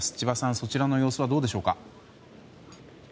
そちらの様子はどうでしょうか。